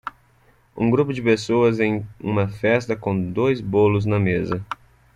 Um grupo de pessoas em uma festa com dois bolos na mesa.